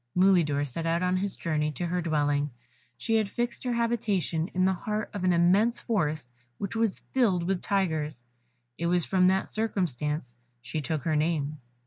Mulidor set out on his journey to her dwelling; she had fixed her habitation in the heart of an immense forest which was filled with tigers it was from that circumstance she took her name.